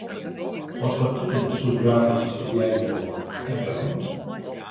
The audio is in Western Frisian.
Watfoar iten soest graach nochris probearje wolle en wêrom?